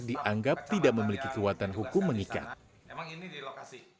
dianggap tidak memiliki kekuatan hukum menikah